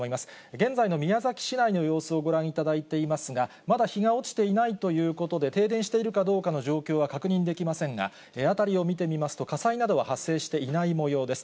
現在の宮崎市内の様子をご覧いただいていますが、まだ日が落ちていないということで、停電しているかどうかの状況は確認できませんが、辺りを見てみますと、火災などは発生していないもようです。